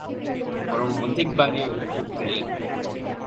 বরং অধিক বাড়িয়ে উত্তর দিলেন।